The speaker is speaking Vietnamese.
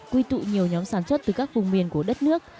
quy tụ nhiều nhóm sản xuất từ các vùng miền của đất nước